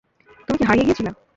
তুমি কি হারিয়ে গিয়েছিল?